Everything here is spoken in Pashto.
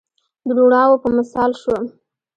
د روڼاوو په مثال شوم